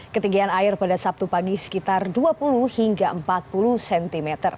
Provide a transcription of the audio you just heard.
ketinggian air pada sabtu pagi sekitar dua puluh hingga empat puluh cm